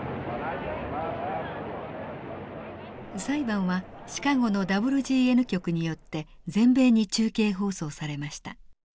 裁判はシカゴのＷＧＮ局によって全米に中継放送されました。